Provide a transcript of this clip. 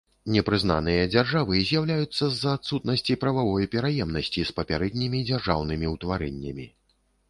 Непрызнаныя дзяржавы з'яўляюцца з-за адсутнасці прававой пераемнасці з папярэднімі дзяржаўнымі ўтварэннямі.